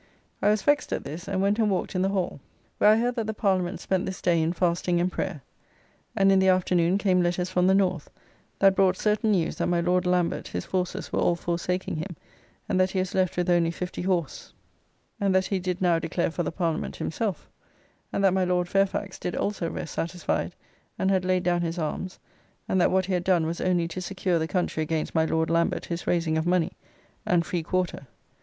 I was vext at this, and went and walked in the Hall, where I heard that the Parliament spent this day in fasting and prayer; and in the afternoon came letters from the North, that brought certain news that my Lord Lambent his forces were all forsaking him, and that he was left with only fifty horse, and that he did now declare for the Parliament himself; and that my Lord Fairfax did also rest satisfied, and had laid down his arms, and that what he had done was only to secure the country against my Lord Lambert his raising of money, and free quarter.